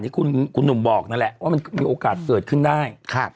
ที่คุณหนุ่มบอกนั่นแหละว่ามันมีโอกาสเกิดขึ้นได้